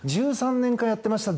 １３年間やってました。